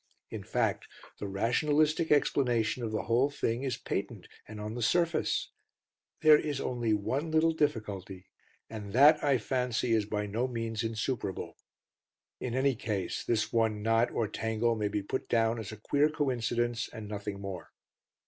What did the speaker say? In fact, the rationalistic explanation of the whole thing is patent and on the surface. There is only one little difficulty, and that, I fancy, is by no means insuperable. In any case this one knot or tangle may be put down as a queer coincidence and nothing more.